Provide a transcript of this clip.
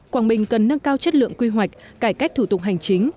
quảng bình cần nâng cao chất lượng quy hoạch cải cách thủ tục hành chính